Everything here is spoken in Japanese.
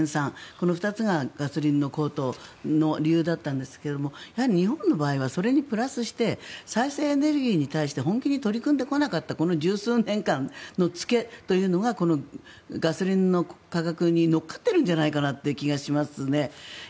この２つがガソリンの高騰の理由だったんですがやはり日本の場合はそれにプラスして再生エネルギーに対して本気で取り組んでこなかったこの１０数年間の付けというのがこのガソリンの価格に乗っかってるんじゃないかなという気がしますね。